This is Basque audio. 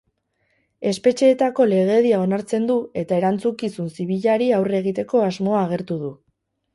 Espetxeetako legedia onartzen du eta erantzukizun zibilari aurre egiteko asmoa agertu du.